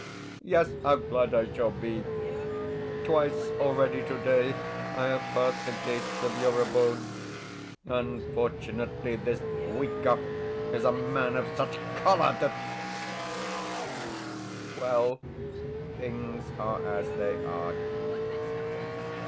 Yes, how glad I shall be! Twice already today I have passed the gates of your abode. Unfortunately, this Bwikov is a man of such choler that Well, things are as they are.